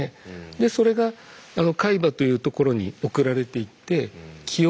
でそれが海馬というところに送られていって記憶になって。